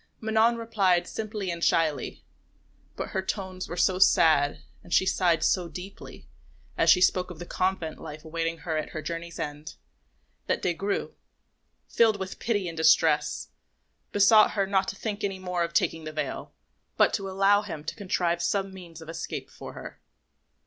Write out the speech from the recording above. Manon replied simply and shyly, but her tones were so sad and she sighed so deeply as she spoke of the convent life awaiting her at her journey's end, that Des Grieux, filled with pity and distress, besought her not to think any more of taking the veil, but to allow him to contrive some means of escape for her.